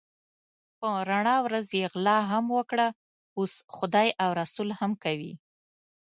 په رڼا ورځ یې غلا هم وکړه اوس خدای او رسول هم کوي.